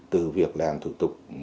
từ việc làm thủ tục cấp giấy tiền